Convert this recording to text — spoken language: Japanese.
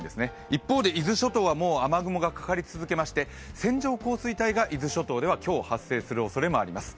一方で伊豆諸島はもう雨雲がかかり続けまして線状降水帯が伊豆諸島では今日発生するおそれもあります。